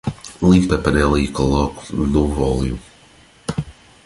Limpe a panela e coloque um novo óleo.